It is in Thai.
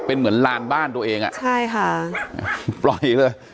เป็นเหมือนลานบ้านตัวเองอ่ะใช่ค่ะปล่อยเลย